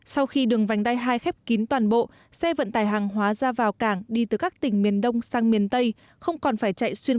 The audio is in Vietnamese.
sau khi đường vành đai hai khép kín toàn bộ xe vận tải hàng hóa ra vào cảng đi từ các tỉnh miền